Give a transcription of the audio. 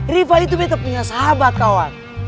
rifa itu tetap punya sahabat kawan